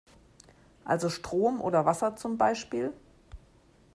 Also Strom oder Wasser zum Beispiel?